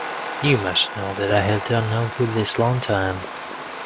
You must know that I have done no good this long time.